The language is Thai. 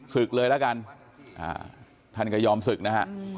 ศึกเลยละกันท่านก็ยอมศึกนะฮะ